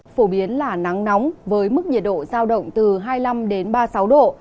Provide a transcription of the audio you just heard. phổ biến là nắng nóng với mức nhiệt độ giao động từ hai mươi năm ba mươi sáu độ